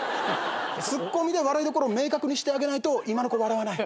ツッコミで笑いどころを明確にしてあげないと今の子笑わない。